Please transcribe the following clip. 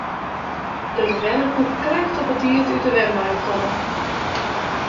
De bewenner koe krekt op 'e tiid út de wenwein komme.